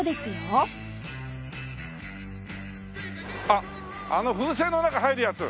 あっあの風船の中入るやつ。